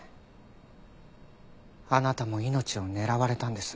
あなたも命を狙われたんです。